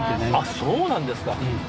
そうなんですか。